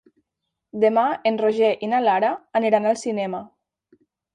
Demà en Roger i na Lara aniran al cinema.